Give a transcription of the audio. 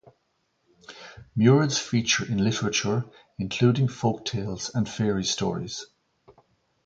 Murids feature in literature, including folk tales and fairy stories.